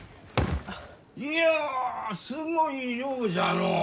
いやすごい量じゃのう！